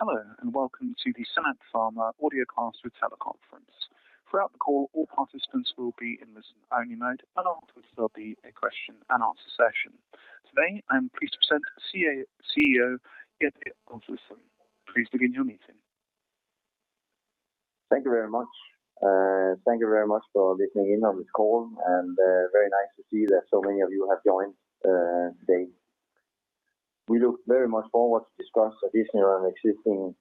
Hello, welcome to the SynAct Pharma Audio Conference Teleconference. Throughout the call, all participants will be in listen-only mode, and afterwards there'll be a question and answer session. Today I'm pleased to present CEO, Jeppe Øvlesen. Pleased to begin your meeting. Thank you very much. Thank you very much for listening in on this call, and very nice to see that so many of you have joined today. We look very much forward to discuss additional and existing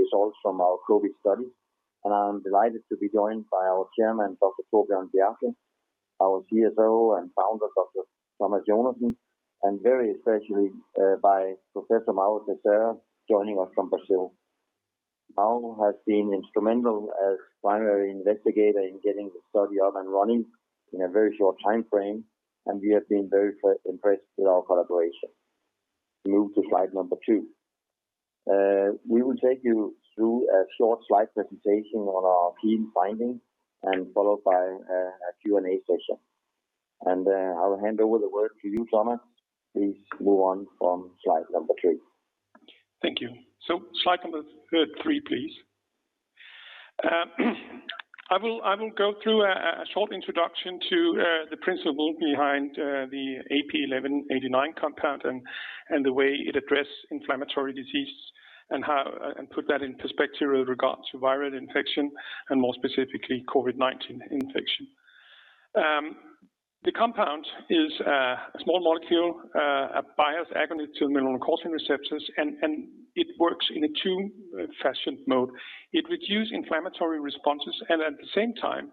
results from our COVID-19 study. I'm delighted to be joined by our Chairman, Dr. Torbjørn Bjerke, our CSO and founder, Dr. Thomas Jonassen, and very especially by Professor Mauro Teixeira joining us from Brazil. Mauro has been instrumental as primary investigator in getting the study up and running in a very short timeframe, and we have been very impressed with our collaboration. Move to slide number two. We will take you through a short slide presentation on our key findings, and followed by a Q&A session. I'll hand over the word to you, Thomas. Please move on from slide number three. Thank you. Slide number three, please. I will go through a short introduction to the principle behind the AP-1189 compound and the way it addresses inflammatory disease, and put that into perspective with regards to viral infection, and more specifically COVID-19 infection. The compound is a small molecule, a biased agonist to melanocortin receptors, and it works in a two-fashioned mode. It reduces inflammatory responses and at the same time,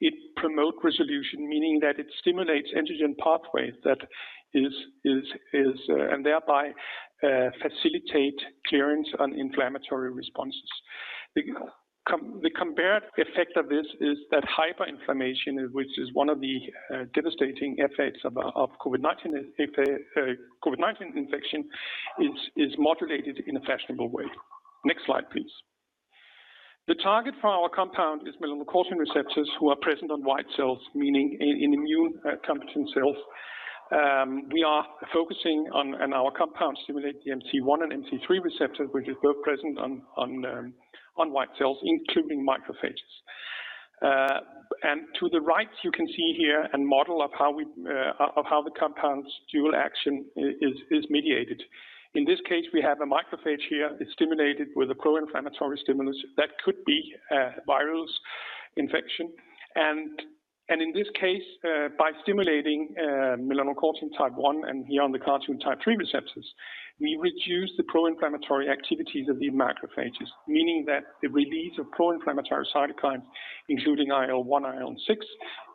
it promotes resolution, meaning that it stimulates antigen pathways, and thereby facilitates clearance on inflammatory responses. The compared effect of this is that hyperinflammation, which is one of the devastating effects of COVID-19 infection, is moderated in a fashionable way. Next slide, please. The target for our compound is melanocortin receptors who are present on white cells, meaning in immune competent cells. We are focusing on, our compounds stimulate the MC1 and MC3 receptors, which is both present on white cells, including macrophages. To the right you can see here a model of how the compound's dual action is mediated. In this case, we have a macrophage here. It is stimulated with a pro-inflammatory stimulus that could be a virus infection. In this case, by stimulating melanocortin type 1 and melanocortin type 3 receptors, we reduce the pro-inflammatory activities of the macrophages, meaning that the release of pro-inflammatory cytokines, including IL-1, IL-6,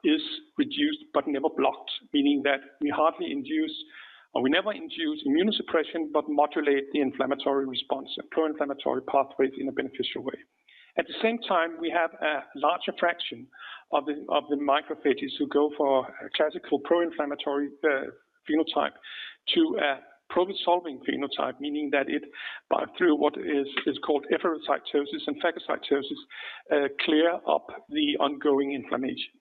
is reduced but never blocked, meaning that we never induce immunosuppression but modulate the inflammatory response of pro-inflammatory pathways in a beneficial way. At the same time, we have a large fraction of the macrophages who go for a classical pro-inflammatory phenotype to a pro-resolving phenotype, meaning that it, through what is called efferocytosis and phagocytosis, clear up the ongoing inflammation.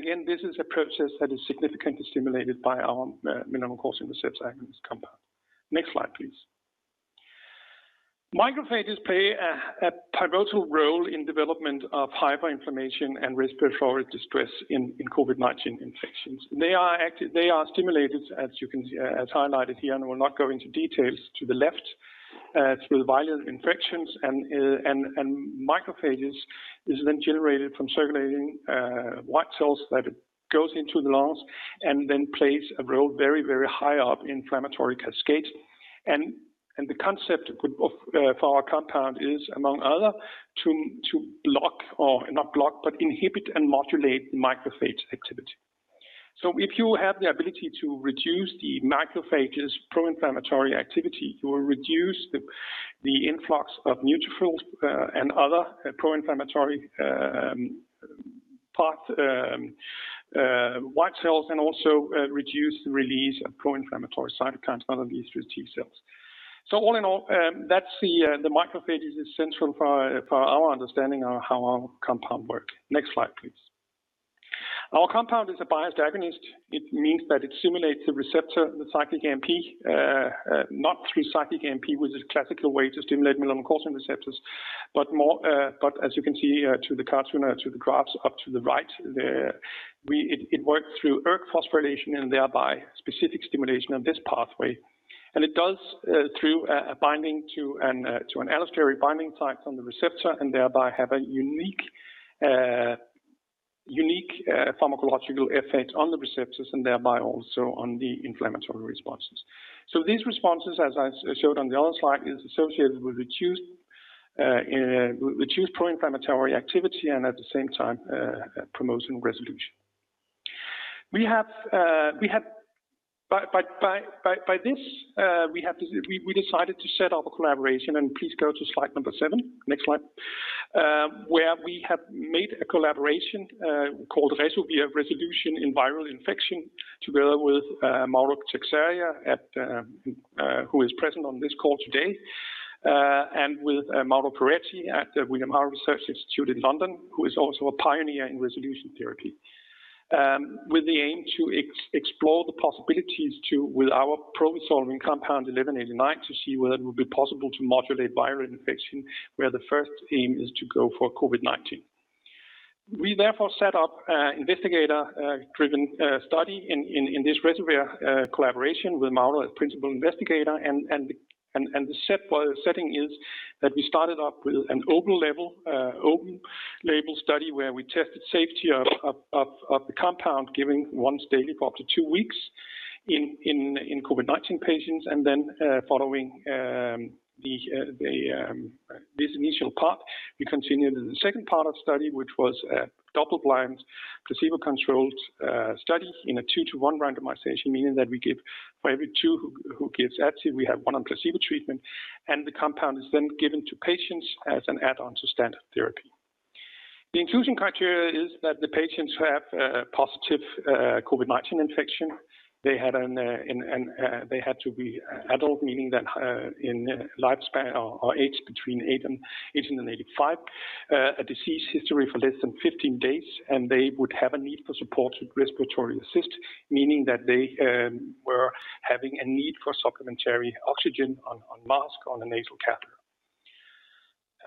Again, this is a process that is significantly stimulated by our melanocortin receptor agonist compound. Next slide, please. Macrophages play a pivotal role in development of hyperinflammation and respiratory distress in COVID-19 infections. They are stimulated, as you can see, as highlighted here, and we're not going to details to the left, through viral infections, and macrophages is then generated from circulating white cells that goes into the lungs and then plays a role very, very high up in inflammatory cascade. The concept for our compound is, among other, to block, or not block, but inhibit and modulate macrophage activity. If you have the ability to reduce the macrophage's pro-inflammatory activity, you will reduce the influx of neutrophils and other pro-inflammatory white cells, and also reduce the release of pro-inflammatory cytokines by these T cells. All in all, the macrophage is central for our understanding of how our compound works. Next slide, please. Our compound is a biased agonist. It means that it stimulates the receptor, the cyclic AMP, not through cyclic AMP was a classical way to stimulate melanocortin receptors. As you can see to the cartoon and to the graphs up to the right, it worked through ERK phosphorylation and thereby specific stimulation of this pathway. It does through binding to an allosteric binding site from the receptor and thereby have a unique pharmacological effect on the receptors and thereby also on the inflammatory responses. These responses, as I showed on the other slide, is associated with reduced pro-inflammatory activity and at the same time, promoting resolution. By this, we decided to set up a collaboration, and please go to slide number seven. Next slide. Where we have made a collaboration called RESOVIR Resolution in Viral Infection together with Mauro Teixeira, who is present on this call today. With Mauro Perretti at the William Harvey Research Institute in London, who is also a pioneer in resolution therapy, with the aim to explore the possibilities to, with our pro-resolving compound AP-1189, to see whether it would be possible to modulate viral infection, where the first aim is to go for COVID-19. We therefore set up an investigator-driven study in this RESOVIR collaboration with Mauro Teixeira, a Principal Investigator. The setting is that we started up with an open-label study where we tested safety of the compound given once daily for up to two weeks in COVID-19 patients. Following this initial part, we continued in the second part of study, which was a double-blind, placebo-controlled study in a 2-to-1 randomization, meaning that we give for every two who gets active, we have one on placebo treatment, and the compound is then given to patients as an add-on to standard therapy. The inclusion criteria is that the patients who have positive COVID-19 infection, they had to be adult, meaning that in lifespan or age between 18 and 85, a disease history for less than 15 days, and they would have a need for supportive respiratory assist, meaning that they were having a need for supplementary oxygen on mask on a nasal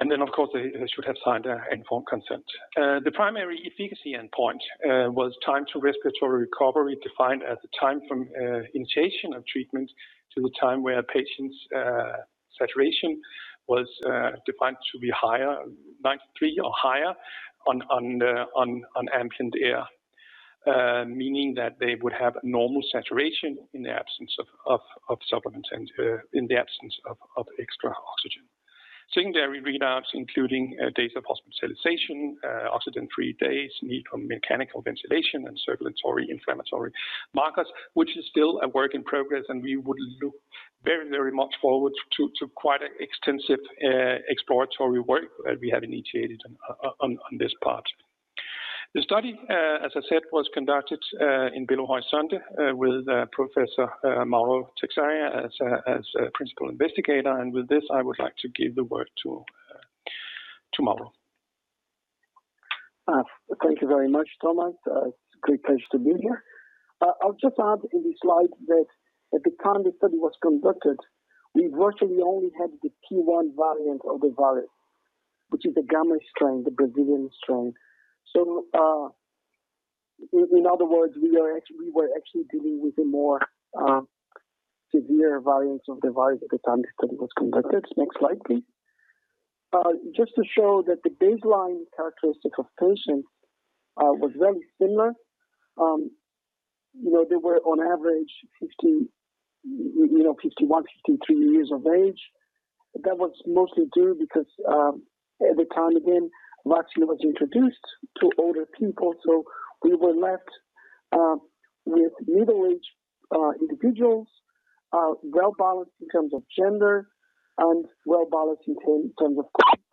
cannula. Of course, they should have signed an informed consent. The primary efficacy endpoint was time to respiratory recovery, defined as the time from initiation of treatment to the time where a patient's saturation was defined to be 93 or higher on ambient air, meaning that they would have a normal saturation in the absence of supplementary, in the absence of extra oxygen. Secondary readouts including date of hospitalization, oxygen-free days, need for mechanical ventilation, and circulatory, inflammatory markers, which is still a work in progress, and we would look very much forward to quite extensive exploratory work that we have initiated on this part. The study, as I said, was conducted in Belo Horizonte, with Professor Mauro Teixeira as principal investigator. With this, I would like to give the work to Mauro. Thank you very much, Thomas. Great pleasure to be here. I'll just add in the slide that at the time the study was conducted, we virtually only had the P.1 variant of the virus, which is the Gamma strain, the Brazilian strain. In other words, we were actually dealing with a more severe variant of the virus at the time the study was conducted. Next slide, please. Just to show that the baseline characteristic of patients was very similar. They were on average 51, 52 years of age. That was mostly due because at the time, again, vaccine was introduced to older people, so we were left with middle-aged individuals, well balanced in terms of gender and well balanced in terms of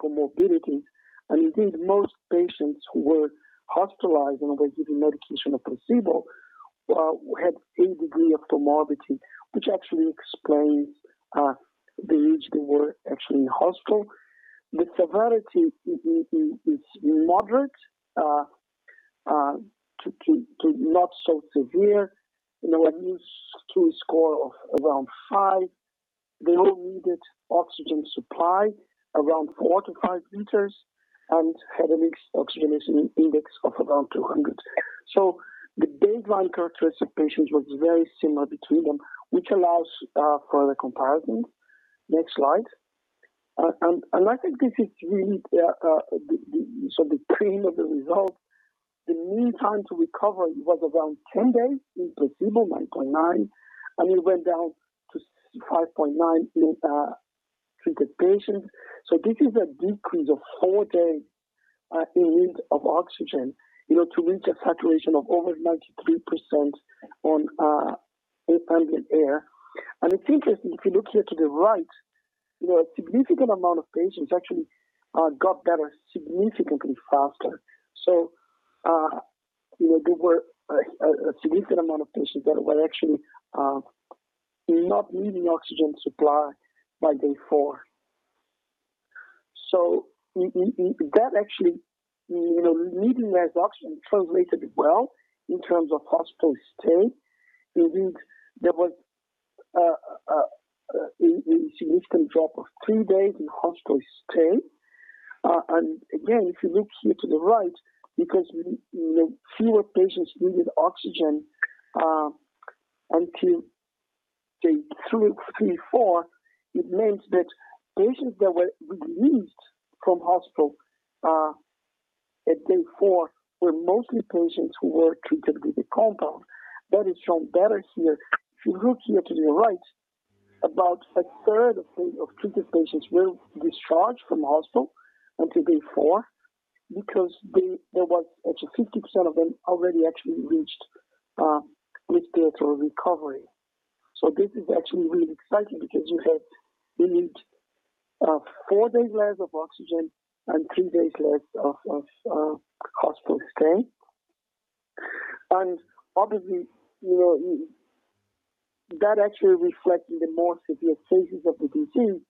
comorbidities. Indeed, most patients who were hospitalized and were given medication or placebo had some degree of comorbidity, which actually explains the reason they were actually in hospital. The severity is moderate to not so severe, an NEWS2 score of around five. They all needed oxygen supply around four to five liters and had an oxygenation index of about 200. The baseline characteristic of patients was very similar between them, which allows for the comparisons. Next slide. I think this is really the cream of the result. The mean time to recover, it was around 10 days in placebo, 9.9, and it went down to 5.9 in treated patients. This is a decrease of four days in need of oxygen to reach a saturation of over 93% on ambient air. I think if you look here to the right, a significant amount of patients actually got better significantly faster. There were a significant amount of patients that were actually not needing oxygen supply by day four. That actually needing less oxygen translated well in terms of hospital stay. Indeed, there was a significant drop of three days in hospital stay. Again, if you look here to the right, because fewer patients needed oxygen until day three, four, it means that patients that were released from hospital at day four were mostly patients who were treated with the compound. That is shown better here. If you look here to the right, about a third of treated patients were discharged from hospital on to day four because there was 50% of them already actually reached respiratory recovery. This is actually really exciting because you had four days less of oxygen and three days less of hospital stay. Obviously, that actually reflects the more severe phases of the disease.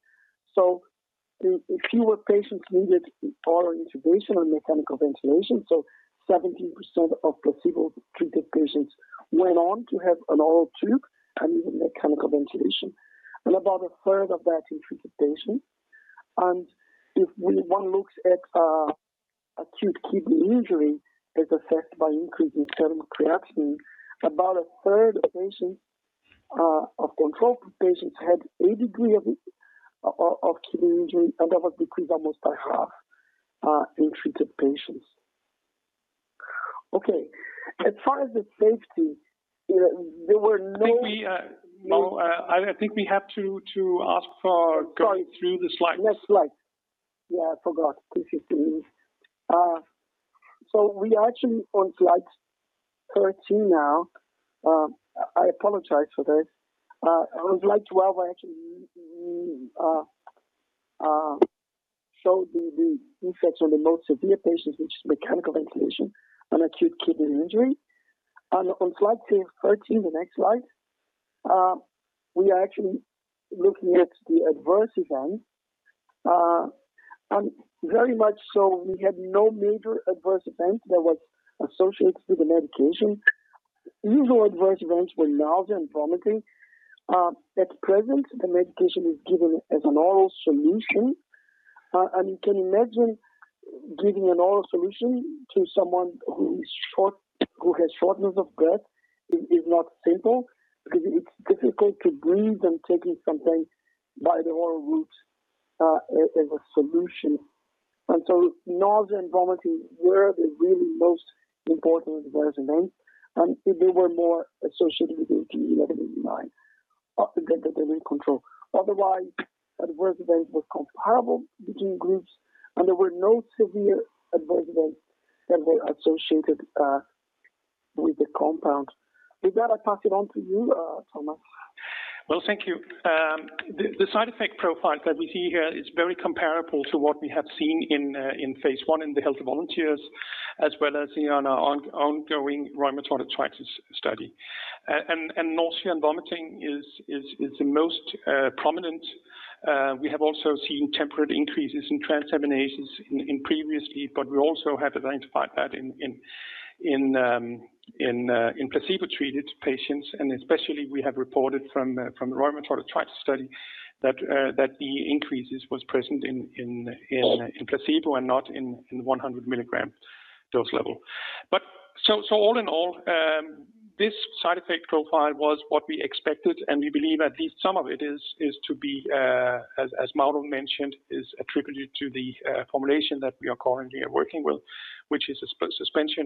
Fewer patients needed oral intubation or mechanical ventilation. 17% of the placebo-treated patients went on to have an oral tube and mechanical ventilation, and about a third of that in treated patients. If one looks at acute kidney injury as affected by increase in serum creatinine, about a third of control group patients had a degree of kidney injury, and that was decreased almost by half in treated patients. As far as the safety, there were no. I think we have to ask for— Sorry. —going through the slides. Next slide. I forgot. Please forgive me. We are actually on slide 13 now. I apologize for this. On slide 12, we actually showed the research on the more severe patients, which is mechanical ventilation and acute kidney injury. On slide 13, the next slide, we are actually looking at the adverse events. Very much so, we had no major adverse events that were associated with the medication. Usual adverse events were nausea and vomiting. At present, the medication is given as an oral solution, and you can imagine giving an oral solution to someone who has shortness of breath is not simple, because it's difficult to breathe and taking something by the oral route as a solution. Nausea and vomiting were the really most important adverse events, and they were more associated with AP-1189 compared to the control. Otherwise, adverse events were comparable between groups, and there were no severe adverse events that were associated with the compound. With that, I will pass it on to you, Thomas. Well, thank you. The side effect profile that we see here is very comparable to what we have seen in phase I in the healthy volunteers, as well as in our ongoing rheumatoid arthritis study. Nausea and vomiting is the most prominent. We have also seen temporary increases in transaminases in previous studies, but we also have identified that in placebo-treated patients, and especially we have reported from the rheumatoid arthritis study that the increases was present in placebo and not in 100-milligram dose level. All in all, this side effect profile was what we expected, and we believe at least some of it is to be, as Mauro mentioned, is attributed to the formulation that we are currently working with, which is a liquid suspension.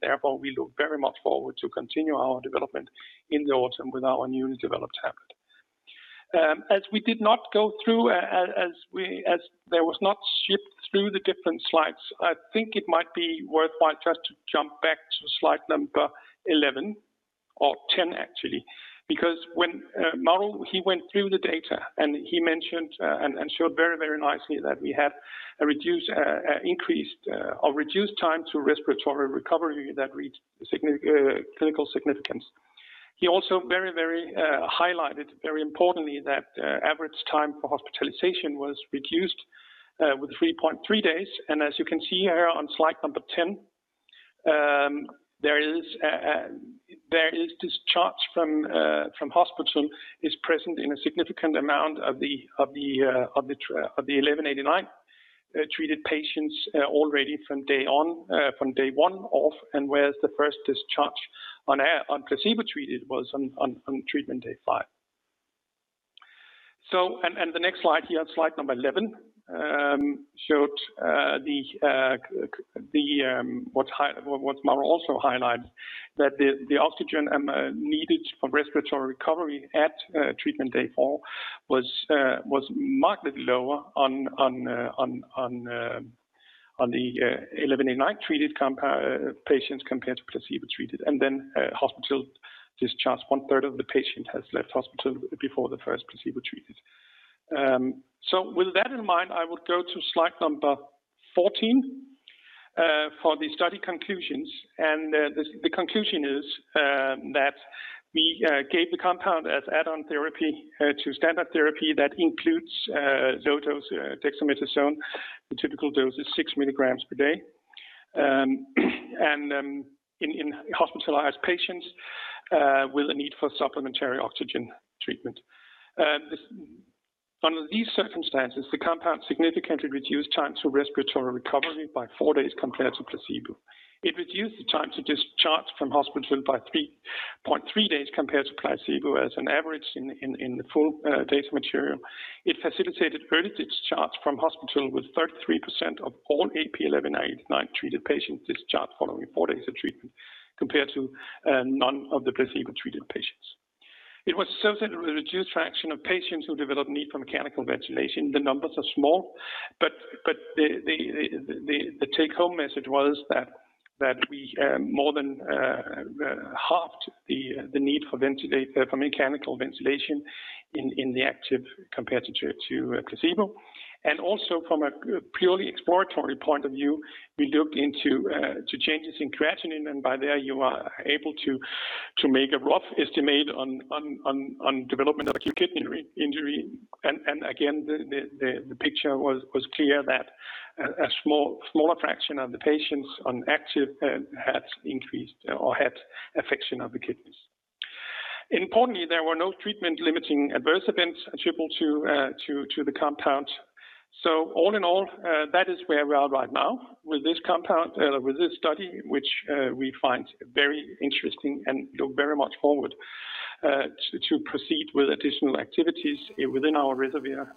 Therefore, we look very much forward to continue our development in the autumn with our newly developed tablet. As we did not go through, as there was not shipped through the different slides, I think it might be worthwhile just to jump back to slide number 11 or 10 actually, because when Mauro, he went through the data, and he mentioned and showed very nicely that we had a reduced time to respiratory recovery that reached clinical significance. He also very highlighted very importantly that average time for hospitalization was reduced with 3.3 days. As you can see here on slide number 10, there is discharge from hospital is present in a significant amount of the AP-1189-treated patients already from day one, whereas the first discharge on placebo-treated was on treatment day five. The next slide here, slide 11, showed what Mauro also highlighted, that the oxygen needed for respiratory recovery at treatment day four was markedly lower on the AP-1189-treated patients compared to placebo-treated. Hospital discharge, one-third of the patients had left hospital before the first placebo-treated. With that in mind, I would go to slide 14 for the study conclusions. The conclusion is that we gave the compound as add-on therapy to standard therapy that includes low-dose dexamethasone. The typical dose is 6 milligrams per day in hospitalized patients with a need for supplementary oxygen treatment. Under these circumstances, the compound significantly reduced time to respiratory recovery by four days compared to placebo. It reduced the time to discharge from hospital by 3.3 days compared to placebo as an average in the full data material. It facilitated early discharge from hospital, with 33% of all AP-1189-treated patients discharged following four days of treatment, compared to none of the placebo-treated patients. It was associated with a reduced fraction of patients who developed need for mechanical ventilation. The numbers are small, the take-home message was that we more than halved the need for mechanical ventilation in the active compared to placebo. Also from a purely exploratory point of view, we looked into changes in creatinine, to make a rough estimate on development of acute kidney injury. Again, the picture was clear that a smaller fraction of the patients on active had increased or had affection of the kidneys. Importantly, there were no treatment limiting adverse events attributable to the compound. All in all, that is where we are right now with this compound, with this study, which we find very interesting and look very much forward to proceed with additional activities within our RESOVIR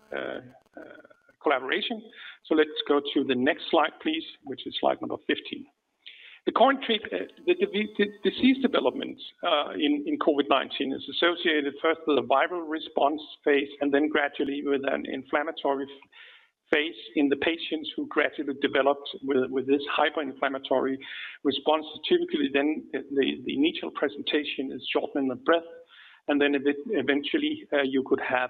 collaboration. Let's go to the next slide, please, which is slide number 15. The disease development in COVID-19 is associated first with a viral response phase and then gradually with an inflammatory phase in the patients who gradually developed with this hyperinflammatory response. Typically, the initial presentation is shortness of breath, and then eventually you could have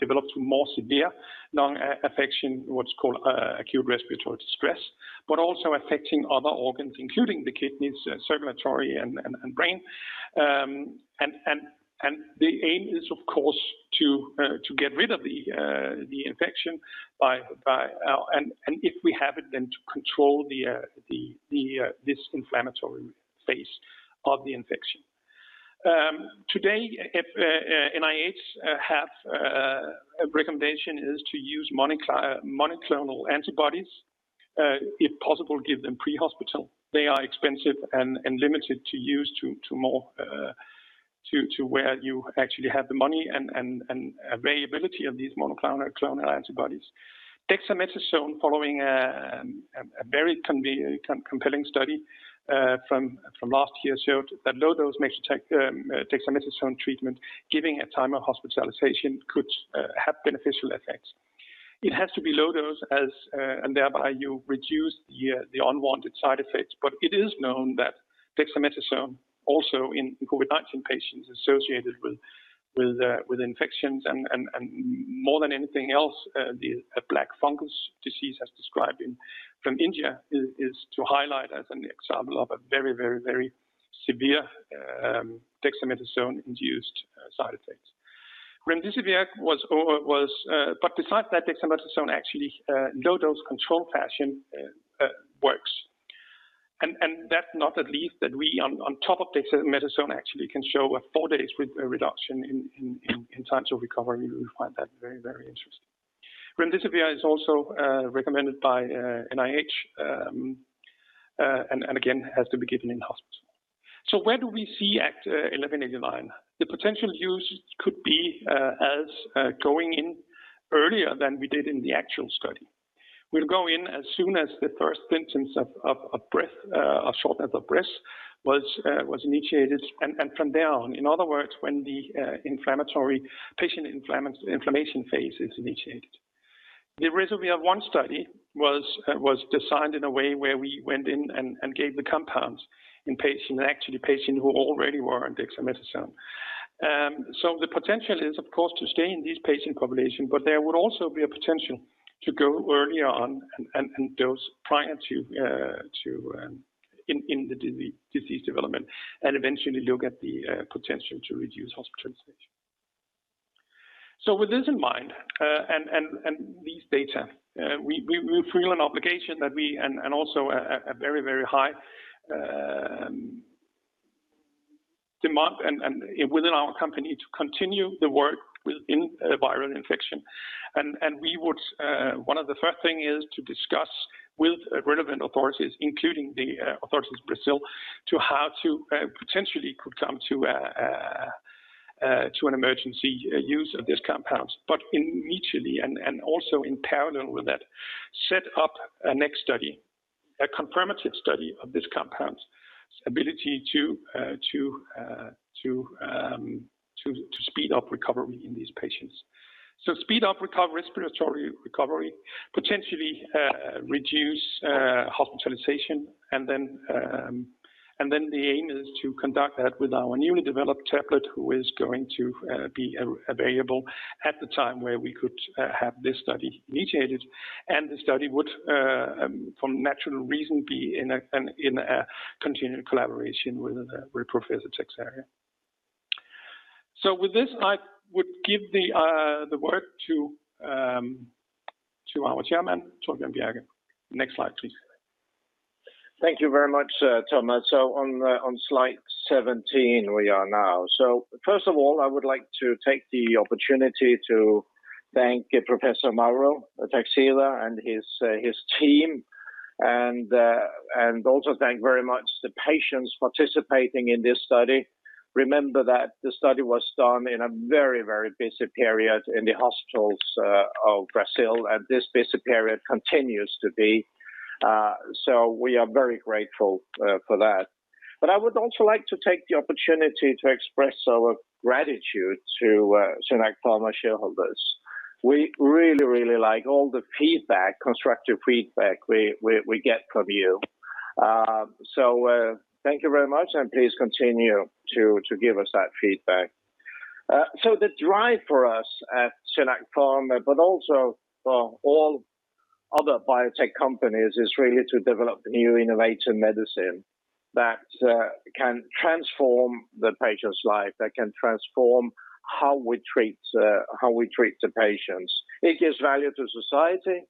developed more severe lung affection, what's called acute respiratory distress, but also affecting other organs, including the kidneys, circulatory and brain. The aim is, of course, to get rid of the infection if we have it, then to control this inflammatory phase of the infection. Today, NIH have a recommendation is to use monoclonal antibodies. If possible, give them pre-hospital. They are expensive and limited to use to where you actually have the money and availability of these monoclonal antibodies. Dexamethasone following a very compelling study from last year showed that low dose dexamethasone treatment given at time of hospitalization could have beneficial effects. It has to be low dose, and thereby you reduce the unwanted side effects. It is known that dexamethasone also in COVID-19 patients associated with infections, and more than anything else, the black fungus disease as described from India is to highlight as an example of a very severe dexamethasone induced side effects. Despite that, dexamethasone actually low dose control fashion works. That not at least that we on top of dexamethasone actually can show a four days with a reduction in terms of recovery. We find that very interesting. remdesivir is also recommended by NIH, and again, has to be given in-hospital. Where do we see AP-1189? The potential use could be as going in earlier than we did in the actual study. We'll go in as soon as the first symptoms of shortness of breath was initiated and from there on. In other words, when the patient inflammation phase is initiated. The RESOVIR-1 study was designed in a way where we went in and gave the compounds in patients who already were on dexamethasone. The potential is, of course, to stay in these patient population, but there will also be a potential to go early on and dose prior to in the disease development. Eventually you'll get the potential to reduce hospitalization. With this in mind, and these data, we feel an obligation that we And also a very high demand and within our company to continue the work within viral infection. One of the first thing is to discuss with relevant authorities, including the authorities of Brazil, to have to potentially could come to an emergency use of this compound. Immediately, and also in parallel with that, set up a next study, a confirmative study of this compound's ability to speed up recovery in these patients. Speed up recovery, respiratory recovery, potentially reduce hospitalization, and then the aim is to conduct that with our newly developed tablet, who is going to be available at the time where we could have this study initiated, and the study would from natural reason be in a continued collaboration with Professor Teixeira. With this, I would give the work to our Chairman, Torbjørn Bjerke. Next slide, please. Thank you very much, Thomas. On slide 17 we are now. First of all, I would like to take the opportunity to thank Professor Mauro Teixeira and his team, and also thank very much the patients participating in this study. Remember that the study was done in a very busy period in the hospitals of Brazil, and this busy period continues to be. We are very grateful for that. I would also like to take the opportunity to express our gratitude to SynAct Pharma shareholders. We really like all the constructive feedback we get from you. Thank you very much, and please continue to give us that feedback. The drive for us at SynAct Pharma, but also for all other biotech companies, is really to develop new innovative medicine that can transform the patient's life, that can transform how we treat the patients. It gives value to society,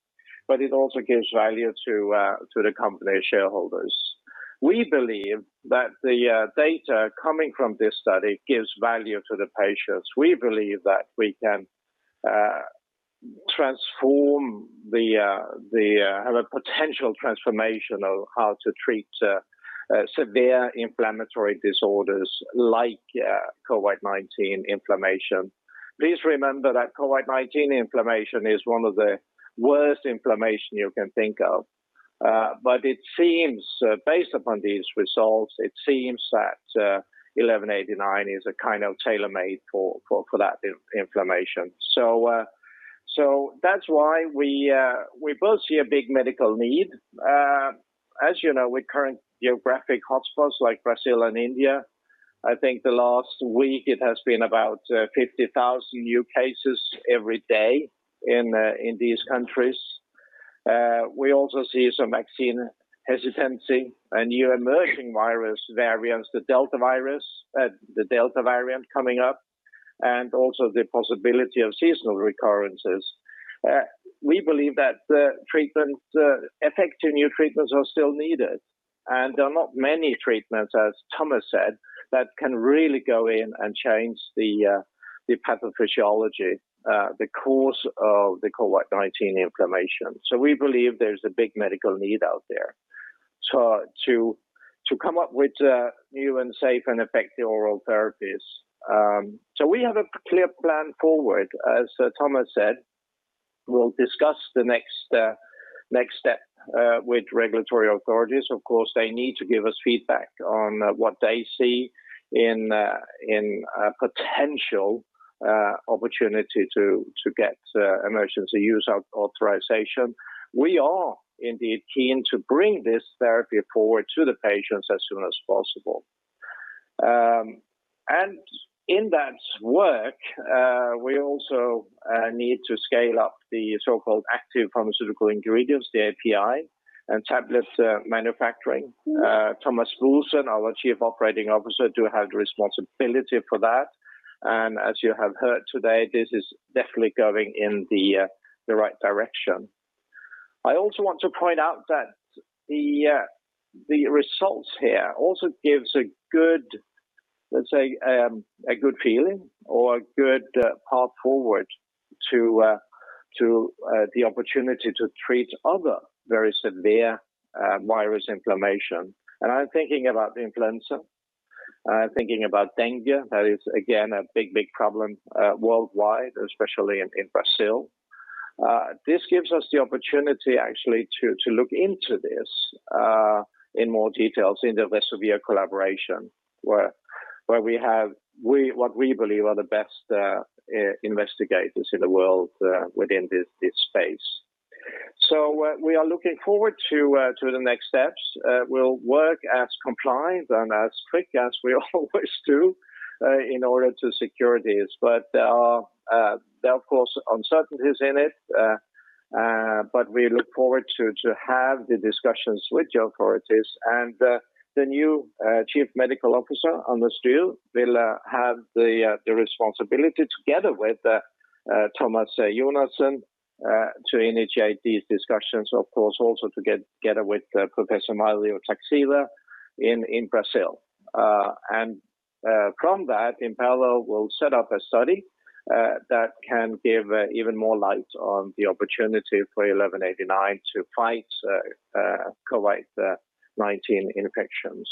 but it also gives value to the company shareholders. We believe that the data coming from this study gives value to the patients. We believe that we can have a potential transformation of how to treat severe inflammatory disorders like COVID-19 inflammation. Please remember that COVID-19 inflammation is one of the worst inflammation you can think of. Based upon these results, it seems that AP-1189 is tailor-made for that inflammation. That's why we both see a big medical need. As you know, with current geographic hotspots like Brazil and India, I think the last week it has been about 50,000 new cases every day in these countries. We also see some vaccine hesitancy, a new emerging virus variants, the Delta variant coming up, and also the possibility of seasonal recurrences. We believe that effective new treatments are still needed, there are not many treatments, as Thomas said, that can really go in and change the pathophysiology, the course of the COVID-19 inflammation. We believe there's a big medical need out there to come up with new and safe and effective oral therapies. We have a clear plan forward. As Thomas said, we'll discuss the next step with regulatory authorities. Of course, they need to give us feedback on what they see in a potential opportunity to get emergency use authorization. We are indeed keen to bring this therapy forward to the patients as soon as possible. In that work, we also need to scale up the so-called active pharmaceutical ingredients, the API, and tablet manufacturing. Thomas Jonassen, our Chief Operating Officer, do have the responsibility for that. As you have heard today, this is definitely going in the right direction. I also want to point out that the results here also gives, let's say, a good feeling or a good path forward to the opportunity to treat other very severe virus inflammation. I'm thinking about influenza. I'm thinking about dengue. That is, again, a big problem worldwide, especially in Brazil. This gives us the opportunity actually to look into this in more details in the RESOVIR collaboration, where we have what we believe are the best investigators in the world within this space. We are looking forward to the next steps. We'll work as compliant and as quick as we always do in order to secure these. There are of course uncertainties in it, but we look forward to have the discussions with the authorities. The new chief medical officer, Anders Hill, will have the responsibility together with Thomas Jonassen to initiate these discussions. Of course, also together with Professor Mauro Teixeira in Brazil. From that, In parallel will set up a study that can give even more light on the opportunity for AP-1189 to fight COVID-19 infections.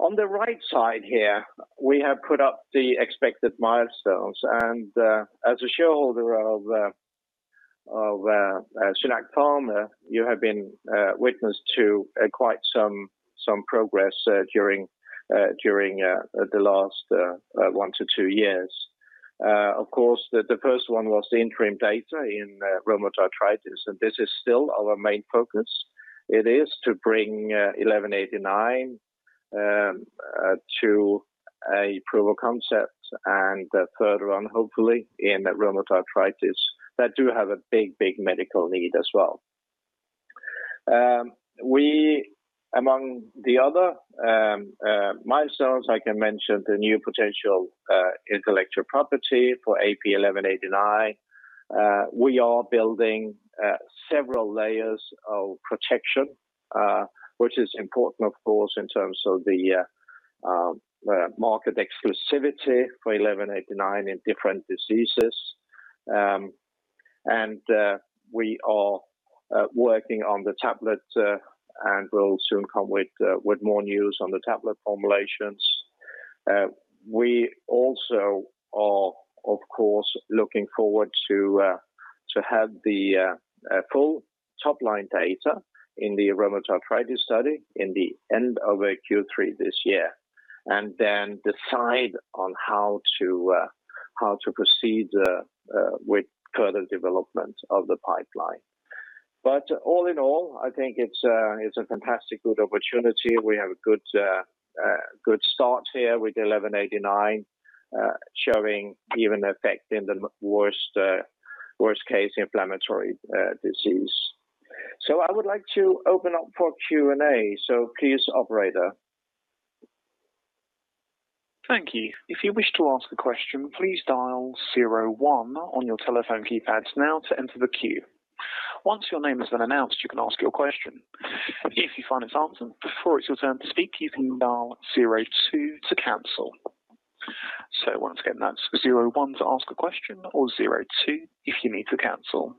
On the right side here, we have put up the expected milestones. As a shareholder of SynAct Pharma, you have been witness to quite some progress during the last one to two years. Of course, the first one was the interim data in rheumatoid arthritis, and this is still our main focus. It is to bring AP-1189 to a proof of concept and third run, hopefully, in rheumatoid arthritis that do have a big medical need as well. Among the other milestones, I can mention the new potential intellectual property for AP-1189. We are building several layers of protection which is important, of course, in terms of the market exclusivity for AP-1189 in different diseases. We are working on the tablet and will soon come with more news on the tablet formulations. We also are, of course, looking forward to have the full top-line data in the rheumatoid arthritis study in the end of Q3 this year, and then decide on how to proceed with further development of the pipeline. All in all, I think it's a fantastic good opportunity. We have a good start here with AP-1189 showing even effect in the worst-case inflammatory disease. I would like to open up for Q&A, so please, operator. Thank you. If you wish to ask a question, please dial zero one on your telephone keypads now to enter the queue. Once your name has been announced, you can ask your question. If you find it answered before it's your turn to speak, you can dial zero two to cancel. Once again, that's zero one to ask a question or zero two if you need to cancel.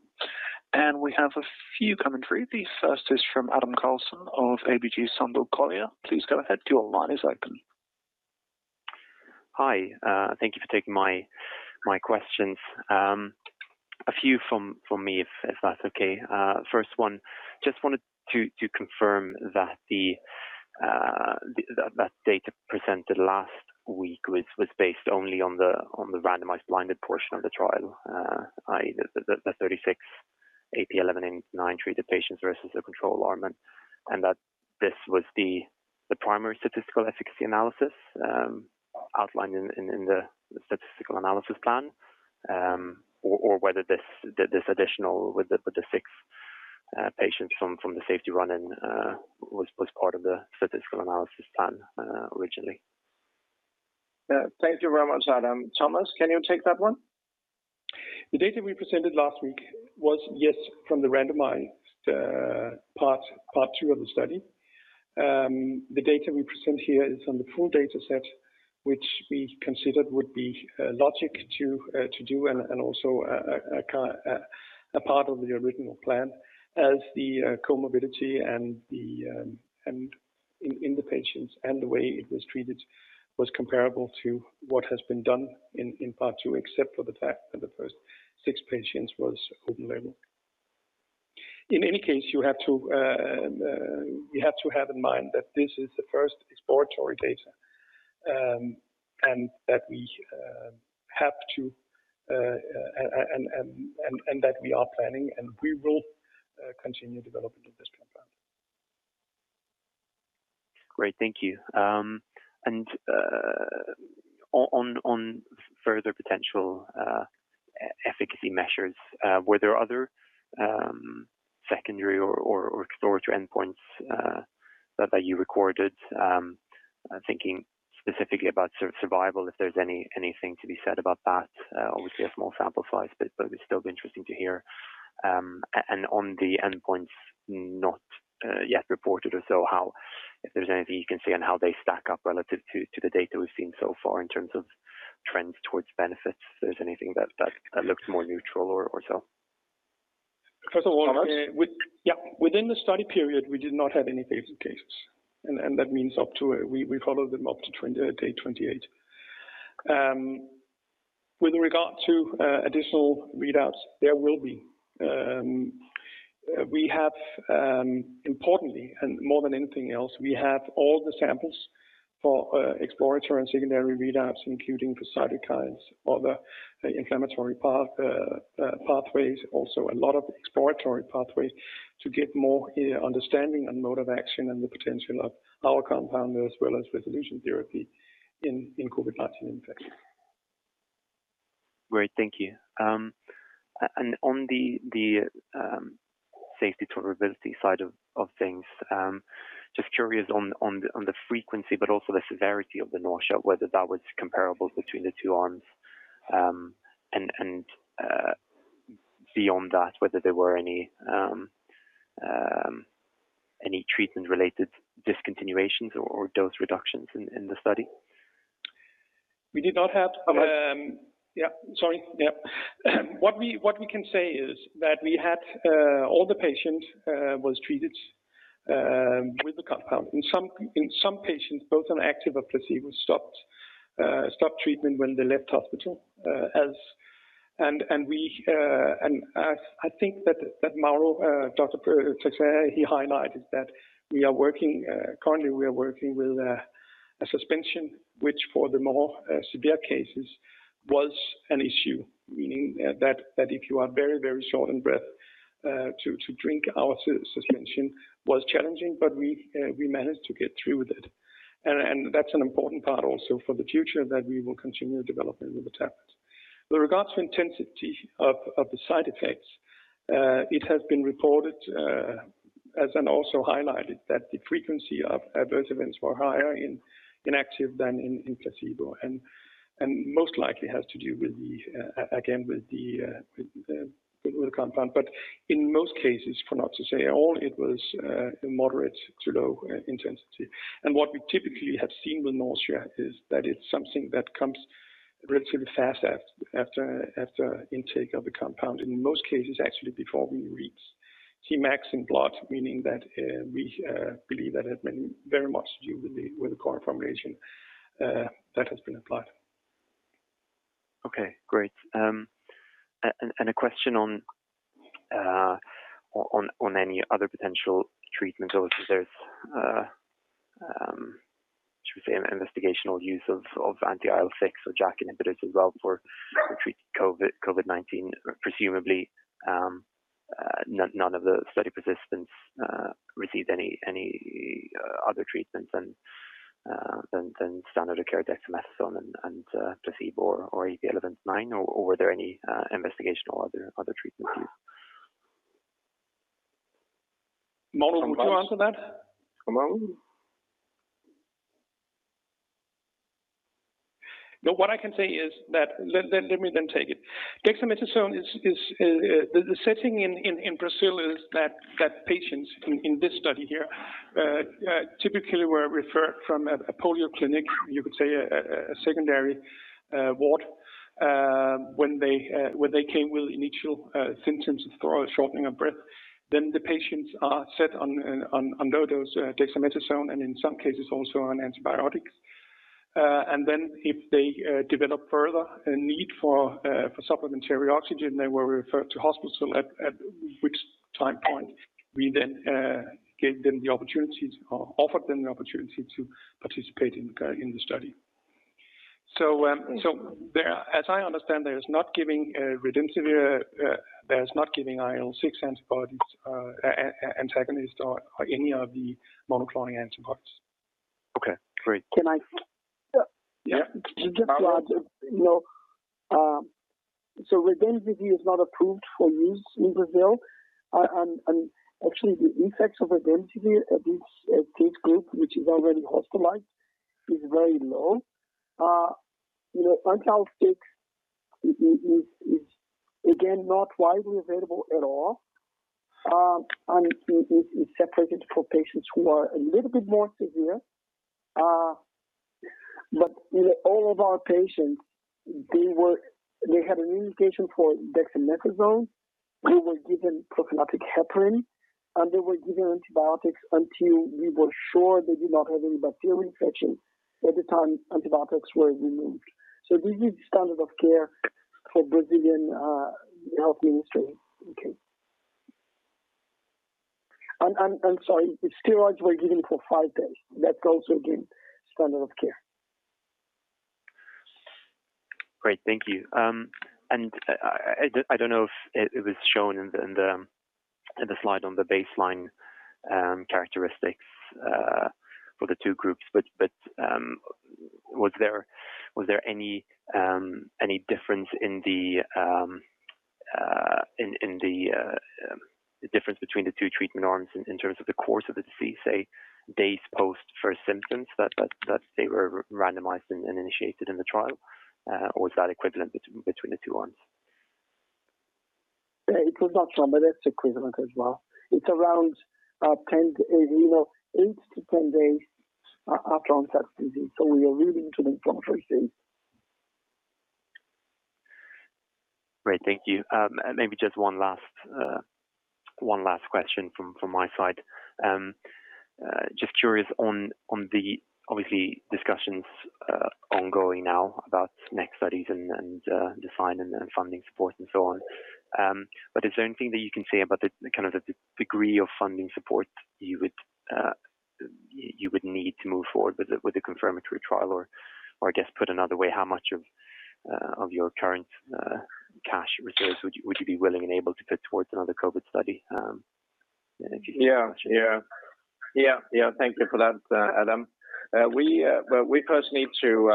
And we have a few coming through. The first is from Adam Karlsson of ABG Sundal Collier. Please go ahead. Your line is open. Hi. Thank you for taking my questions. A few from me, if that's okay. First one, just wanted to confirm that the data presented last week was based only on the randomized blinded portion of the trial, i.e., the 36 AP-1189-treated patients versus the control arm, and that this was the primary statistical efficacy analysis outlined in the statistical analysis plan, or whether this additional with the six patients from the safety run-in was part of the statistical analysis plan originally. Thank you very much, Adam. Thomas, can you take that one? The data we presented last week was, yes, from the randomized part II of the study. The data we present here is from the full dataset, which we considered would be logic to do and also a part of the original plan as the comorbidity in the patients and the way it was treated was comparable to what has been done in part II, except for the fact that the first six patients was open label. In any case, you have to have in mind that this is the first exploratory data, and that we are planning, and we will continue development of this compound. Great. Thank you. On further potential efficacy measures, were there other secondary or exploratory endpoints that you recorded? I'm thinking specifically about survival, if there's anything to be said about that. Obviously, a small sample size, but it would still be interesting to hear. On the endpoints not yet reported or so, if there's anything you can say on how they stack up relative to the data we've seen so far in terms of trends towards benefits, if there's anything that looks more neutral or so. First of all— Thomas? Yeah. Within the study period, we did not have any fatal cases, and that means we followed them up to day 28. With regard to additional readouts, there will be. Importantly, and more than anything else, we have all the samples for exploratory and secondary readouts, including for cytokines, other inflammatory pathways, also a lot of exploratory pathways to get more understanding and mode of action and the potential of our compound, as well as resolution therapy in COVID-19 infection. Great. Thank you. On the safety tolerability side of things, just curious on the frequency but also the severity of the nausea, whether that was comparable between the two arms, and beyond that, whether there were any treatment-related discontinuations or dose reductions in the study. We did not have— Thomas. Yeah. Sorry. Yeah. What we can say is that we had all the patients was treated with the compound. In some patients, both on active or placebo stopped treatment when they left hospital. I think that Mauro, Dr. Teixeira, he highlighted that currently we are working with a suspension, which for the more severe cases was an issue, meaning that if you are very, very short on breath, to drink our suspension was challenging, but we managed to get through with it. That's an important part also for the future that we will continue developing with the tablets. With regards to intensity of the side effects, it has been reported, and also highlighted, that the frequency of adverse events were higher in active than in placebo, and most likely has to do, again, with the compound. In most cases, for not to say all, it was a moderate to low intensity. What we typically have seen with nausea is that it's something that comes relatively fast after intake of the compound, in most cases, actually, before we reach Tmax in blood, meaning that we believe that it had been very much to do with the current formulation that has been applied. Okay, great. A question on any other potential treatments or if there's the same investigational use of anti-IL-6 or JAK inhibitors as well for the treatment of COVID-19. Presumably, none of the study participants received any other treatments than standard of care dexamethasone and placebo or the 1189, or were there any investigational or other treatment use? Thomas. No one can answer that? Hello? What I can say is that, let me take it. Dexamethasone, the setting in Brazil is that patients in this study here typically were referred from a polyclinic, you could say a secondary ward, when they came with initial symptoms of shortness of breath. The patients are set on low-dose dexamethasone and in some cases also on antibiotics. If they develop further a need for supplementary oxygen, they were referred to hospital, at which time point we then offered them the opportunity to participate in the study. As I understand, there's not giving remdesivir, there's not giving IL-6 antibodies, antagonist or any of the monoclonal antibodies. Okay, great. Can I just add, so remdesivir is not approved for use in Brazil, and actually the effects of remdesivir at this group, which is already hospitalized, is very low. anti-IL-6 is again not widely available at all. It's reserved for patients who are a little bit more severe. In all of our patients, they had an indication for dexamethasone. They were given prophylactic heparin, and they were given antibiotics until we were sure they did not have any bacterial infection at the time antibiotics were removed. This is standard of care for Brazilian healthcare industry. Okay. Sorry, steroids were given for five days. That's also, again, standard of care. Great. Thank you. I don't know if it was shown in the slide on the baseline characteristics for the two groups, but was there any difference between the two treatment arms in terms of the course of the disease, say, days post first symptoms that they were randomized and initiated in the trial? Was that equivalent between the two arms? It was not realistic equivalent as well. It is around 10-15 days after onset disease, so we are really dealing from 13. Great, thank you. Maybe just one last question from my side. Just curious on the, obviously, discussions ongoing now about next studies and design and funding support and so on. Is there anything that you can say about the degree of funding support you would need to move forward with a confirmatory trial? Just put another way, how much of your current cash reserves would you be willing and able to put towards another COVID-19 study? Yeah. Thank you for that, Adam. We first need to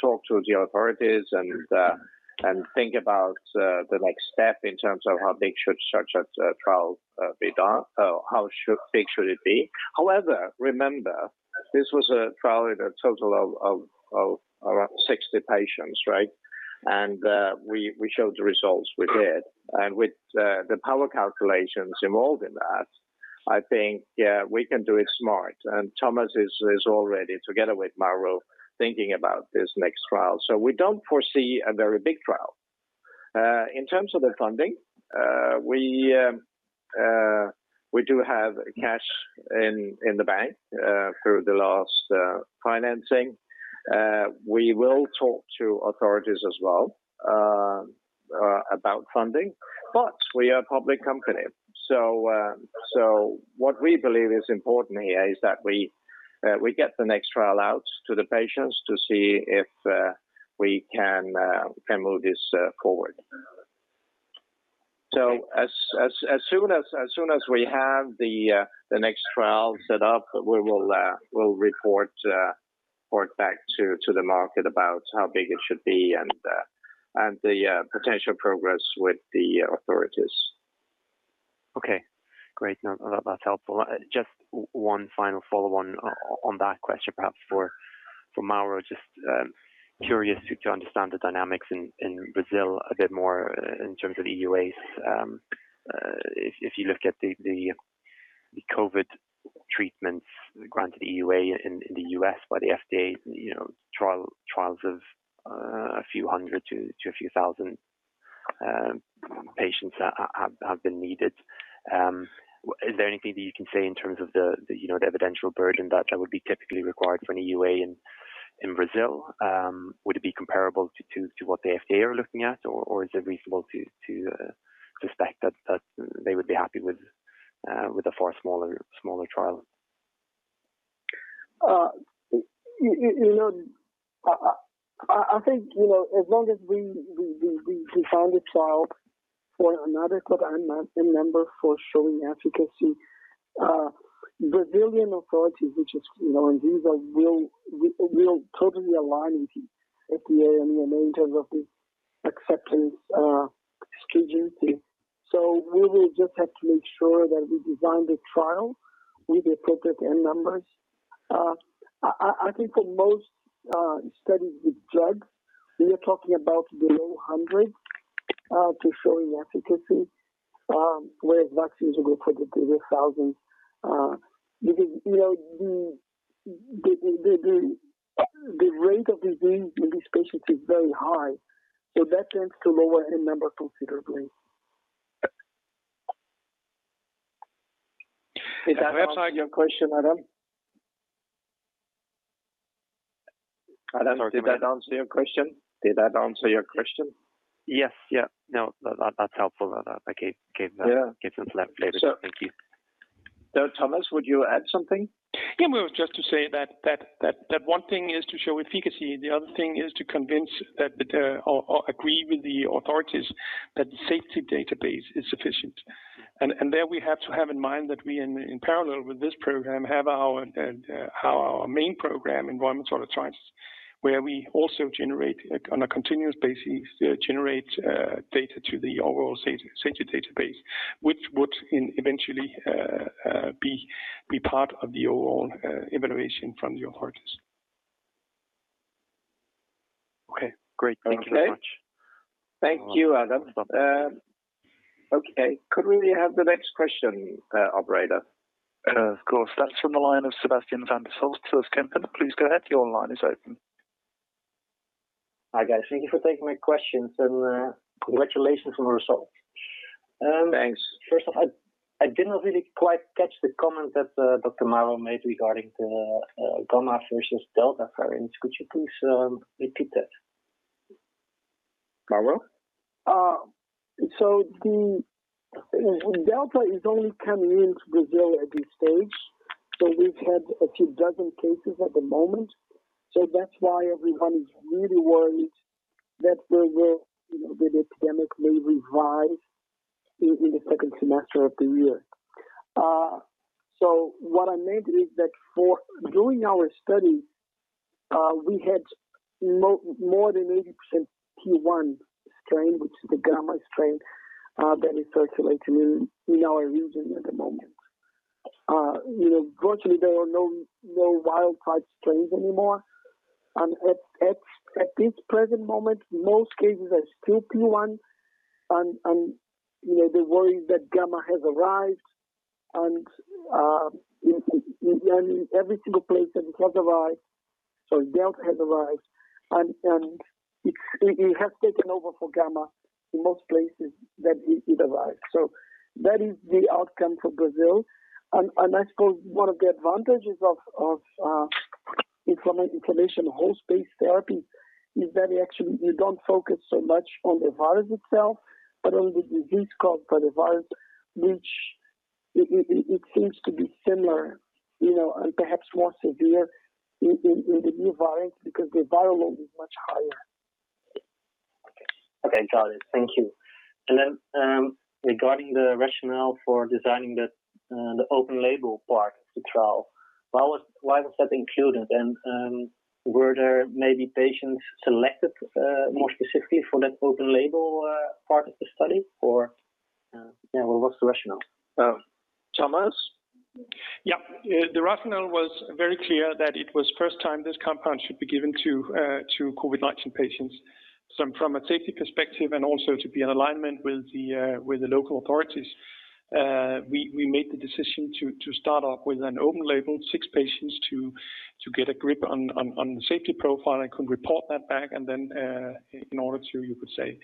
talk towards the authorities and think about the next step in terms of how big should such a trial be done or how big should it be. However, remember, this was a trial with a total of about 60 patients, right? We showed the results we did. With the power calculations involved in that, I think we can do it smart. Thomas is already, together with Mauro, thinking about this next trial. We don't foresee a very big trial. In terms of the funding, we do have cash in the bank through the last financing. We will talk to authorities as well about funding, but we are a public company. What we believe is important here is that we get the next trial out to the patients to see if we can move this forward. As soon as we have the next trial set up, we will report back to the market about how big it should be and the potential progress with the authorities. Okay, great. No, that's helpful. Just one final follow-on on that question, perhaps for Mauro. Just curious to understand the dynamics in Brazil a bit more in terms of EUAs. If you look at the COVID treatments granted EUA in the U.S. by the FDA, trials of a few hundred to a few thousand patients have been needed. Is there anything that you can say in terms of the evidential burden that would be typically required for an EUA in— —in Brazil, would it be comparable to what the FDA are looking at, or is it reasonable to suspect that they would be happy with a far smaller trial? I think, as long as we design the trial for an N number for showing efficacy, Brazilian authorities, which these will totally align with FDA and EMA in terms of the acceptance stringency. We will just have to make sure that we design the trial with appropriate N numbers. I think for most studies with drugs, we are talking about below 100 to show an efficacy, whereas vaccines are typically in the thousands. The rate of disease in these patients is very high, so that tends to lower N number considerably. Did that answer your question, Adam? Adam, did that answer your question? Yes. No, that's helpful. That gave me some clarity. Thank you. Thomas, would you add something? Yeah, it was just to say that one thing is to show efficacy, the other thing is to convince or agree with the authorities that the safety database is sufficient. There we have to have in mind that we, in parallel with this program, have our main program in ongoing RA trials, where we also, on a continuous basis, generate data to the overall safety database, which would eventually be part of the overall evaluation from the authorities. Okay, great. Thank you very much. Okay. Thank you, Adam. Okay, could we have the next question, operator? Of course. That's from the line of Sebastian. [inaudible] Please go ahead, your line is open. Hi, guys. Thank you for taking my questions and congratulations on the results. Thanks. I did not really quite catch the comment that Dr. Mauro made regarding the Gamma strain versus Delta variant, could you please repeat that? Mauro? Delta is only coming into Brazil at this stage. We've had a few dozen cases at the moment. That's why everyone is really worried that the epidemic may revive in the second semester of the year. What I meant is that during our study, we had more than 80% P.1 strain, which is the Gamma strain that is circulating in our region at the moment. Virtually, there are no wild-type strains anymore. At this present moment, most cases are still P.1. They're worried that Gamma has arrived. In every single place that it has arrived, Delta has arrived. It has taken over for Gamma in most places that it arrived. That is the outcome for Brazil, and I suppose one of the advantages of inflammation host-based therapies is that actually you don't focus so much on the virus itself but on the disease caused by the virus, which it seems to be similar, and perhaps more severe in the new virus because the viral load is much higher. Okay, got it. Thank you. Regarding the rationale for designing the open label part of the trial, why was that included, and were there maybe patients selected more specifically for that open label part of the study? What's the rationale? Thomas? Yeah. The rationale was very clear that it was first time this compound should be given to COVID-19 patients. From a safety perspective, and also to be in alignment with the local authorities, we made the decision to start off with an open-label, six patients to get a grip on the safety profile and could report that back, and then ignore it, so you could say,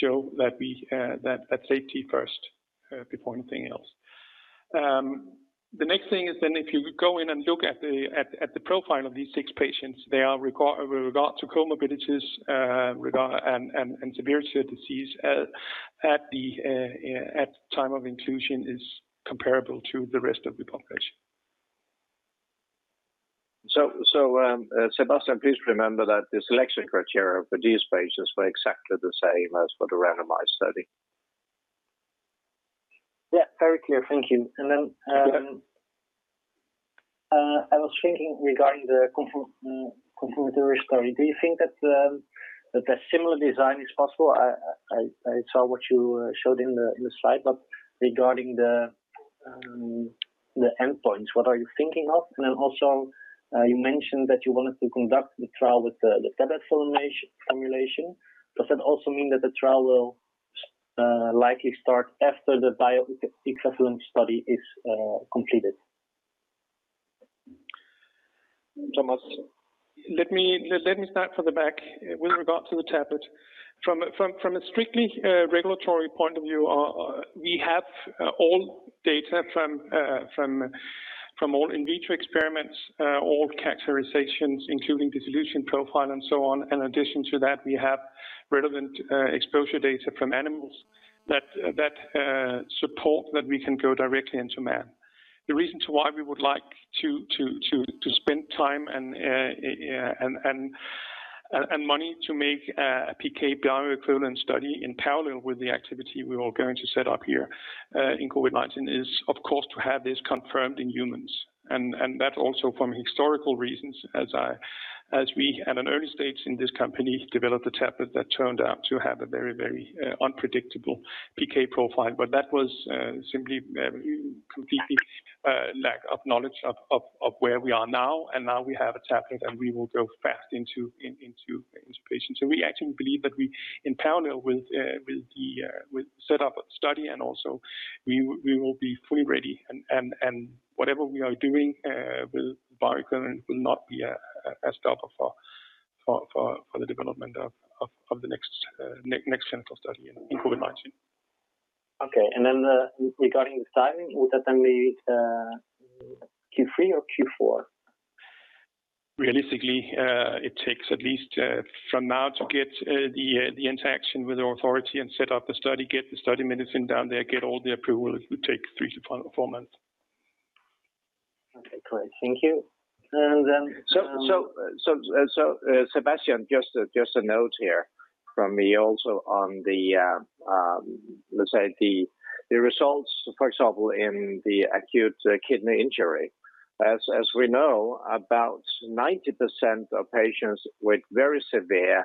so that safety first before anything else. The next thing is then if you go in and look at the profile of these six patients, with regard to comorbidities, and severity of disease at time of inclusion is comparable to the rest of the population. Sebastian, please remember that the selection criteria for these patients were exactly the same as for the randomized study. Yeah, very clear. Thank you. Then I was thinking regarding the complementary study, do you think that a similar design is possible? I saw what you showed in the slide, but regarding the endpoints, what are you thinking of? Then also, you mentioned that you wanted to conduct the trial with the tablet formulation. Does that also mean that the trial will likely start after the bioequivalence study is completed? Thomas? Let me start from the back with regards to the tablet. From a strictly regulatory point of view, we have all data from all in vitro experiments, all characterizations, including dissolution profile and so on. In addition to that, we have relevant exposure data from animals that support that we can go directly into man. The reasons why we would like to spend time and money to make a PK bioequivalence study in parallel with the activity we are going to set up here in COVID-19 is, of course, to have this confirmed in humans. That also from historical reasons, as we, at an early stage in this company, developed a tablet that turned out to have a very, very unpredictable PK profile. That was simply completely lack of knowledge of where we are now, and now we have a tablet and we will go fast into various patients. We actually believe that in parallel with the set up of study and also we will be fully ready and whatever we are doing with bioequivalent will not be a stopper for the development of the next central study in COVID-19. Okay, regarding timing, would that then be Q3 or Q4? Realistically, it takes at least from now to get the interaction with authority and set up the study, get the study medicine down there, get all the approval, it would take three to four months. Okay, great. Thank you. Sebastian, just a note here from me also on the results, for example, in the acute kidney injury. As we know, about 90% of patients with very severe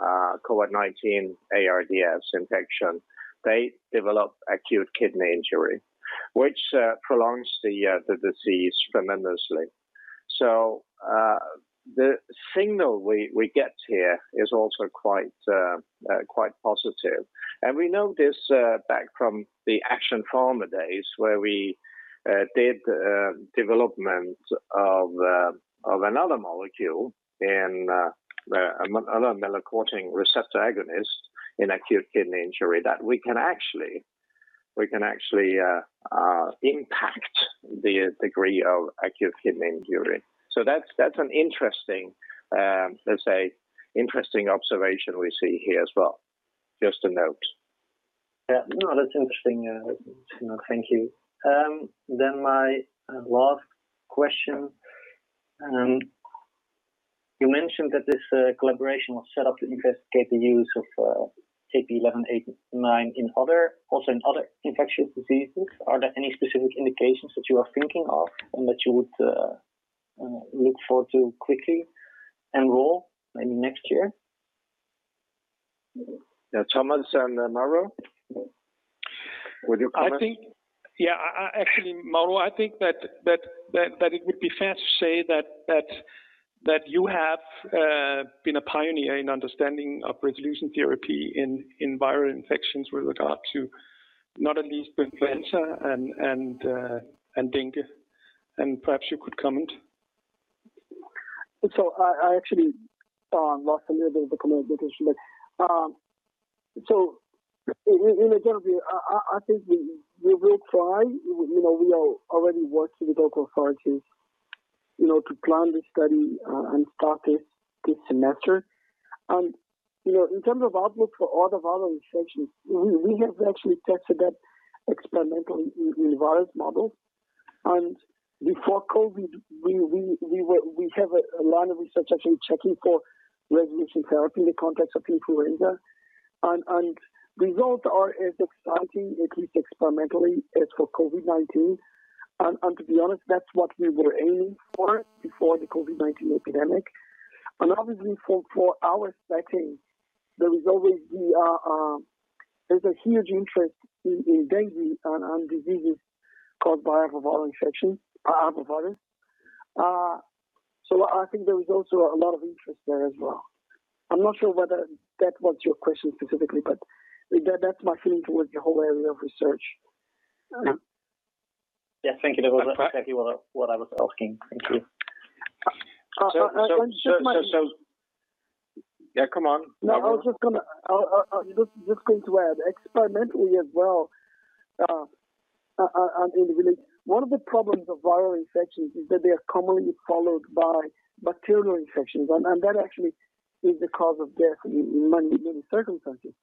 COVID-19 ARDS infection, they develop acute kidney injury, which prolongs the disease tremendously. The signal we get here is also quite positive. We know this back from the Action Pharma days where we did development of another molecule, another melanocortin receptor agonist in acute kidney injury that we can actually impact the degree of acute kidney injury. That's an interesting observation we see here as well. Just a note. Yeah, no, that's interesting to know. Thank you. My last question. You mentioned that this collaboration was set up to investigate the use of AP-1189 also in other infectious diseases. Are there any specific indications that you are thinking of and that you would look forward to quickly enroll maybe next year? Yeah. Thomas and Dr. Mauro? Would you comment? Yeah. Actually, Mauro Teixeira, I think that it would be fair to say that you have been a pioneer in understanding of resolution therapy in viral infections with regard to not at least with influenza and dengue. Perhaps you could comment. I actually lost a little bit of the comment that she made. In a nutshell, I think we will try. We are already working with local authorities to plan the study and start this semester. In terms of outlook for other viral infections, we have actually tested it experimentally in virus models. Before COVID, we have a line of research actually checking for resolution therapy in the context of influenza. Results are as exciting, at least experimentally, as for COVID-19. To be honest, that's what we were aiming for before the COVID-19 epidemic. Obviously for our setting, there's a huge interest in dengue and diseases caused by other viruses. I think there is also a lot of interest there as well. I'm not sure whether that was your question specifically, but that's my feeling towards the whole area of research. Yeah. Thank you. That was exactly what I was asking. Thank you. And just my— Yeah, come on, Mauro. No, I was just going to add experimentally as well. One of the problems of viral infections is that they are commonly followed by bacterial infections, and that actually is the cause of death in many given circumstances.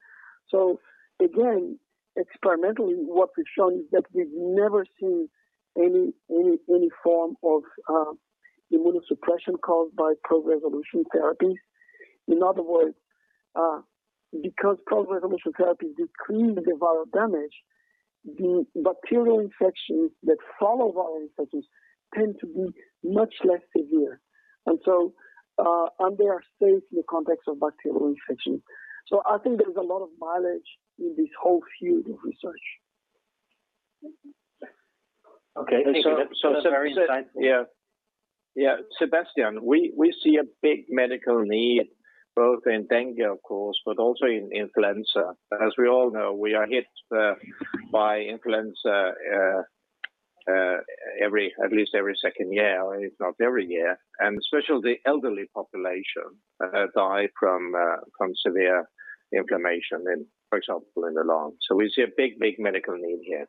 Again, experimentally, what we've shown is that we've never seen any form of immunosuppression caused by pro-resolution therapies. In other words, because pro-resolution therapy decreases the viral damage, the bacterial infections that follow viral infections tend to be much less severe, and they are safe in the context of bacterial infections. I think there's a lot of mileage in this whole field of research. Okay. That's very insightful. Sebastian, we see a big medical need both in dengue, of course, but also in influenza. As we all know, we are hit by influenza at least every second year, if not every year. Especially the elderly population die from severe inflammation in, for example, in the lung. We see a big medical need here.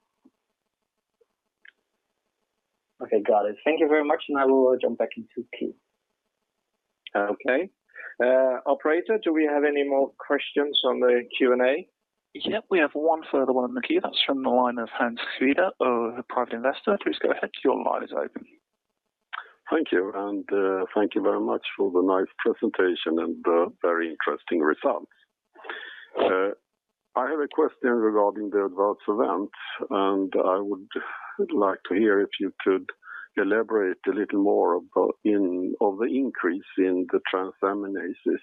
Okay, got it. Thank you very much. I will jump back into queue. Okay. Operator, do we have any more questions on the Q&A? Yep, we have one further one in the queue. That is from the line of Hans Sweder of Private Investor. Please go ahead, your line is open. Thank you, and thank you very much for the nice presentation and the very interesting results. I have a question regarding the adverse events, and I would like to hear if you could elaborate a little more about the increase in the transaminases.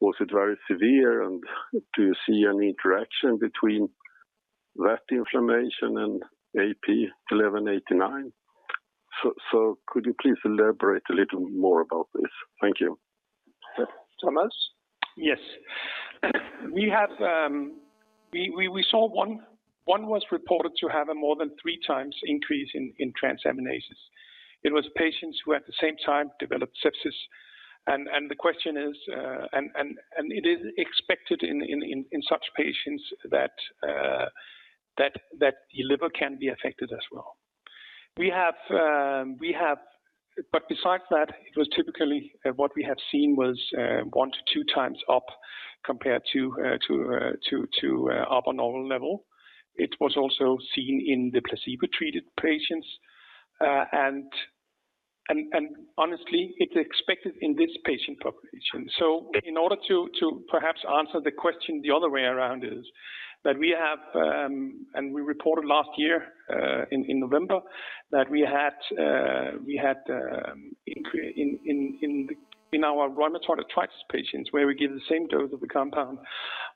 Was it very severe, and do you see any interaction between that inflammation and AP-1189? Could you please elaborate a little more about this? Thank you. Thomas? Yes. We saw one was reported to have a more than three times increase in transaminases. It was patients who at the same time developed sepsis. The question is, and it is expected in such patients that the liver can be affected as well. Besides that, it was typically what we have seen was one to two times up compared to upper normal level. It was also seen in the placebo-treated patients. Honestly, it's expected in this patient population. In order to perhaps answer the question the other way around is that we have, and we reported last year in November, that we had increase in our rheumatoid arthritis patients where we give the same dose of the compound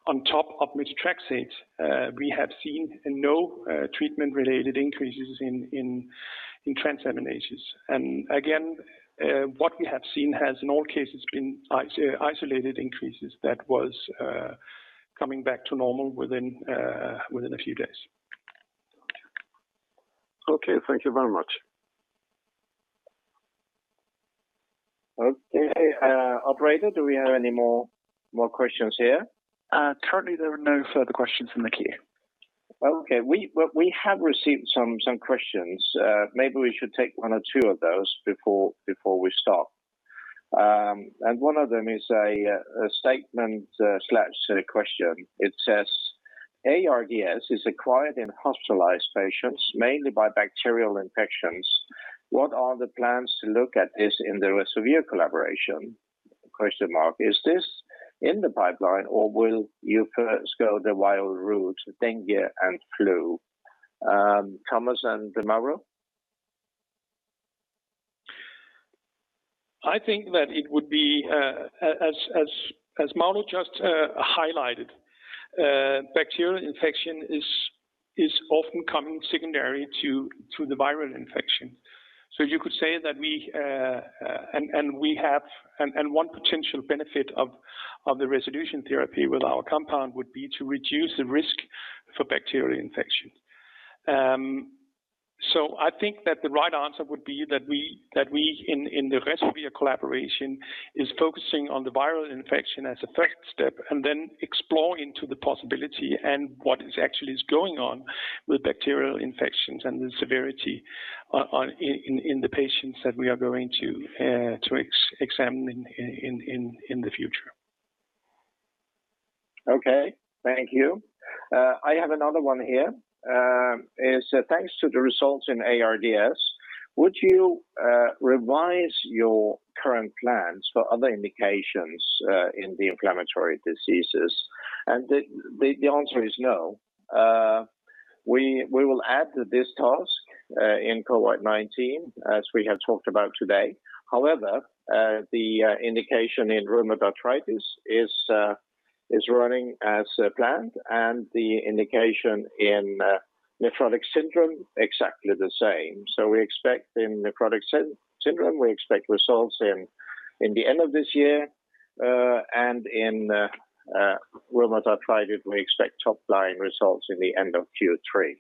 on top of methotrexate. We have seen no treatment-related increases in transaminases. Again, what we have seen has, in all cases, been isolated increases that was coming back to normal within a few days. Okay. Thank you very much. Okay. Operator, do we have any more questions here? Currently, there are no further questions in the queue. Okay. We have received some questions. Maybe we should take one or two of those before we stop. One of them is a statement/question. It says, "ARDS is acquired in hospitalized patients, mainly by bacterial infections. What are the plans to look at this in the RESOVIR collaboration? Is this in the pipeline, or will you first go the viral route, dengue and flu?" Thomas and Mauro? I think that it would be, as Mauro just highlighted, bacterial infection is often coming secondary to the viral infection. You could say that we, and one potential benefit of the resolution therapy with our compound would be to reduce the risk for bacterial infection. I think that the right answer would be that we, in the RESOVIR collaboration, is focusing on the viral infection as a first step, and then explore into the possibility and what is actually going on with bacterial infections and the severity in the patients that we are going to examine in the future. Okay. Thank you. I have another one here, "Thanks to the results in ARDS, would you revise your current plans for other indications in the inflammatory diseases?" The answer is no. We will add to this task in COVID-19, as we have talked about today. However, the indication in rheumatoid arthritis is running as planned, and the indication in nephrotic syndrome, exactly the same. We expect in nephrotic syndrome, we expect results in the end of this year. In rheumatoid arthritis, we expect top-line results in the end of Q3.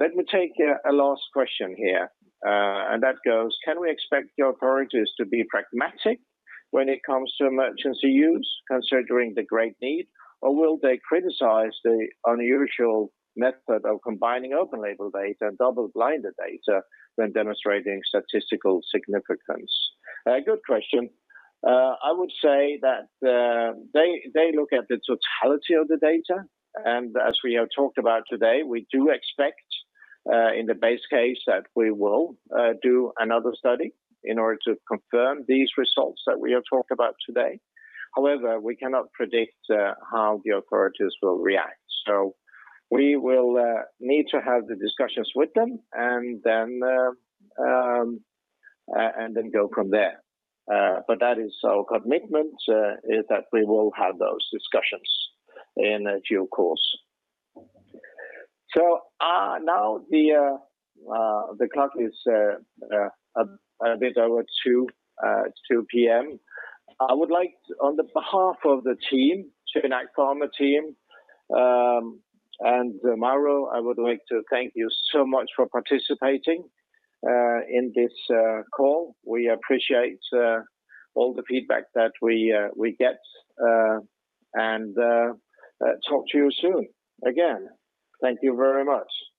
Let me take a last question here. That goes, "Can we expect the authorities to be pragmatic when it comes to emergency use, considering the great need? Or will they criticize the unusual method of combining open label data and double-blinded data when demonstrating statistical significance?" A good question. I would say that they look at the totality of the data, and as we have talked about today, we do expect, in the base case, that we will do another study in order to confirm these results that we have talked about today. However, we cannot predict how the authorities will react. We will need to have the discussions with them, and then go from there. That is our commitment, is that we will have those discussions in due course. Now the clock is a bit over 2:00 P.M. I would like to, on behalf of the team, SynAct Pharma team, and Mauro, I would like to thank you so much for participating in this call. We appreciate all the feedback that we get, and talk to you soon. Again, thank you very much.